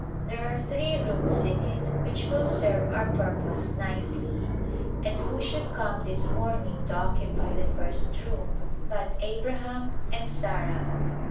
There are three rooms in it which will serve our purpose nicely, and who should come this morning to occupy the first room but " Abraham and Sarah